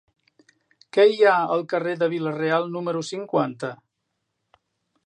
Què hi ha al carrer de Vila-real número cinquanta?